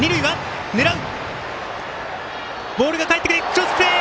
クロスプレー！